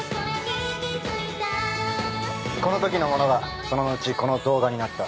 この時のものがその後この動画になった。